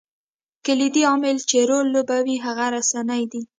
کلیدي عامل چې رول لوبوي هغه رسنۍ دي.